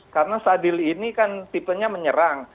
karena sadil ini kan tipenya menyerang